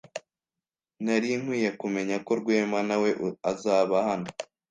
Nari nkwiye kumenya ko Rwema nawe azaba hano.